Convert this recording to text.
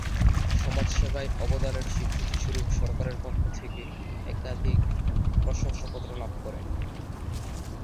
সমাজ সেবায় অবদানের স্বীকৃতি স্বরূপ সরকারের পক্ষ থেকে একাধিক প্রশংসাপত্র লাভ করেন।